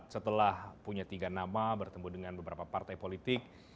setelah punya tiga nama bertemu dengan beberapa partai politik